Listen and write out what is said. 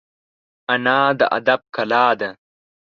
انا د ادب کلا ده